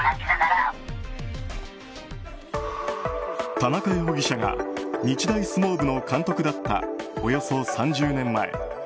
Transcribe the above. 田中容疑者が日大相撲部の監督だったおよそ３０年前。